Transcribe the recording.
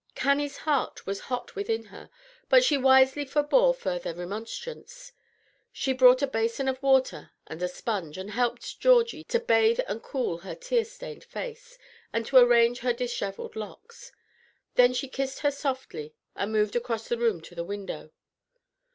Cannie's heart was hot within her, but she wisely forbore further remonstrance. She brought a basin of water and a sponge, and helped Georgie to bathe and cool her tear stained face, and to arrange her dishevelled locks. Then she kissed her softly, and moved across the room to the window.